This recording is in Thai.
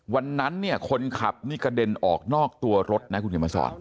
วันนั้นเนี่ยคนขับนี่กระเด็นออกนอกตัวรถนะคุณเขียนมาสอน